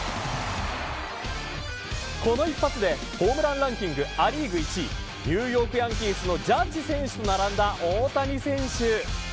この一発で、ホームランランキング、ア・リーグ１位のニューヨーク・ヤンキースのジャッジ選手と並んだ大谷選手。